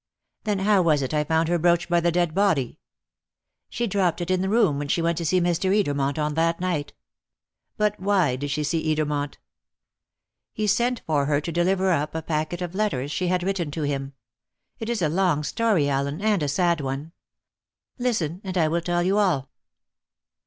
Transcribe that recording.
"Then how was it I found her brooch by the dead body?" "She dropped it in the room when she went to see Mr. Edermont on that night." "But why did she see Edermont?" "He sent for her to deliver up a packet of letters she had written to him. It is a long story, Allen, and a sad one. Listen, and I will tell you all."